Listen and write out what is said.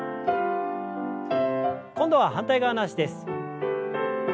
今度は反対側の脚です。